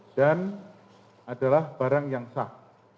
dan adalah barang yang sah